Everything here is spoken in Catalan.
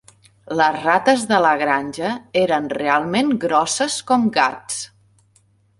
Les rates de La Granja eren realment grosses com gats